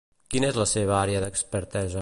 Quina és la seva àrea d'expertesa?